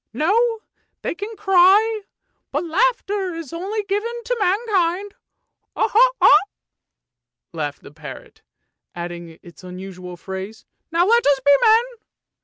No, they can cry, but laughter is only given to mankind. Ho ! ho ! ho! " laughed the parrot, adding its usual phrase, " Now let us be men!